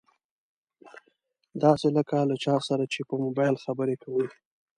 داسې لکه له چا سره چې په مبايل خبرې کوي.